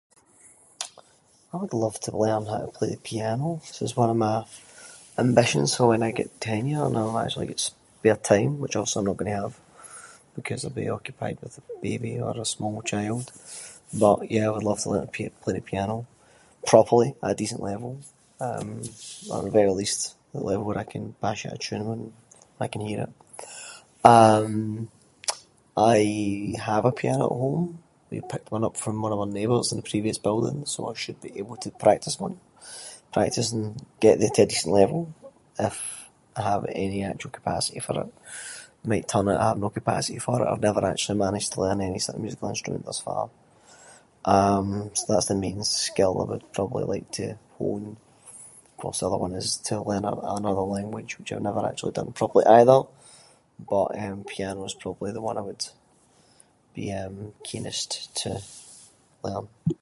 I would love to learn how to play the piano. This is one of my ambitions for when I get tenure and I’ll actually get spare time, which obviously I’m not going to have, because I’ll be occupied with a baby or a small child. But yeah I would love to learn to play the piano, properly at a decent level, um at the very least at a level where I can bash out a tune and I can hear it. Um, I have a piano at home, we picked one up from one of our neighbours in our previous building, so I should be able to practice on- practice and get me to a decent level, if I have any actual capacity for it. Might turn out I have no capacity for it. I’ve never actually managed to learn any musical instrument thus far. Um, so that’s the main skill I would probably like to hone. Of course, the other one’s to learn another language which I’ve never actually done properly either. But eh piano is probably the one that I would be eh, keenest to learn.